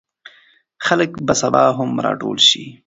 خلک به سبا هم راټول شي.